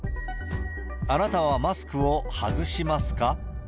あなたはマスクを外しますか？